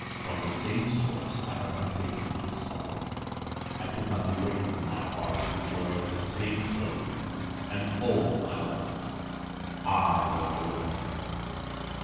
From the same source I have not taken My sorrow; I could not awaken My heart to joy at the same tone; And all I loved, I loved alone.